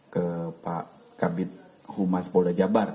ke pak kabit humas polda jabar